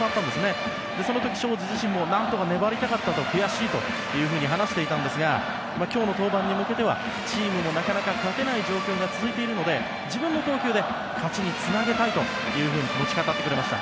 その時、荘司自身もなんとか粘りたかったと悔しいと話していたんですが今日の登板に向けてはチームもなかなか勝てない状況が続いているので自分の投球で勝ちにつなげたいというふうに気持ちを語ってくれました。